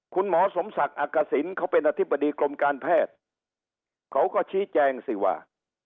คุณหมอสมศักดิ์อักษิณเขาเป็นอธิบดีกรมการแพทย์เขาก็ชี้แจงสิว่า